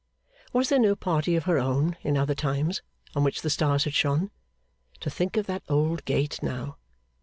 Was there no party of her own, in other times, on which the stars had shone? To think of that old gate now!